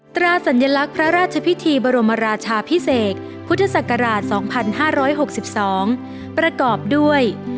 ตราสัญลักษณ์พระราชพิธีบรมราชาพิเศษพุทธศักราช๒๕๖๒ประกอบด้วย